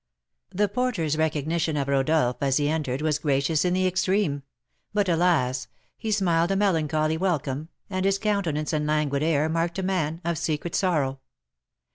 The porter's recognition of Rodolph as he entered was gracious in the extreme; but, alas! he smiled a melancholy welcome, and his countenance and languid air marked a man of secret sorrow.